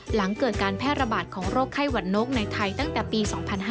หลังเกิดการแพร่ระบาดของโรคไข้หวัดนกในไทยตั้งแต่ปี๒๕๕๙